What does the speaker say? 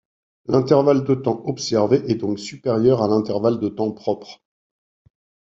L'intervalle de temps observé est donc supérieur à l'intervalle de temps propre.